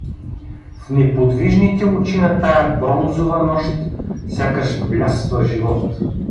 В неподвижните очи на тая бронзова нощ сякаш блясва живот.